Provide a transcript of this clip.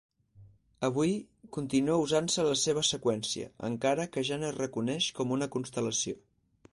Avui continua usant-se la seva seqüència, encara que ja no es reconeix com una constel·lació.